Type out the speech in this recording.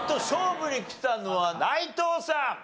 勝負にきたのは内藤さん。